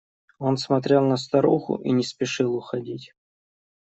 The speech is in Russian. Он смотрел на старуху и не спешил уходить.